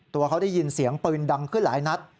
ตัวเขาได้ยินเสียงปืนดังขึ้นหลายนัด